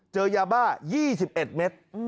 เจอยาบ้า๒๑เมตร